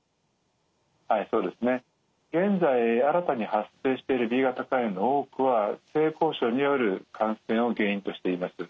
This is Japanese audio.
はいそうですね。現在新たに発生しているＢ型肝炎の多くは性交渉による感染を原因としています。